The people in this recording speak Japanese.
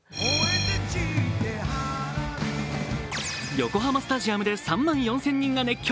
横浜スタジアムで３万４０００人が熱狂。